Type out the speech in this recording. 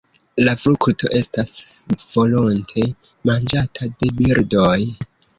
La frukto estas volonte manĝata de birdoj.